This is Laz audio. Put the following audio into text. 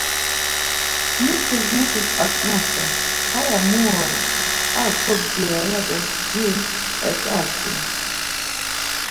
Mitis mutus aǩnasen Haya mun oren, ar kobdzira ya do jin etzazdums.